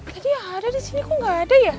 tadi ada di sini kok gak ada ya